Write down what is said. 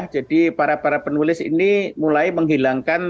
jadi para para penulis ini mulai menghilangkan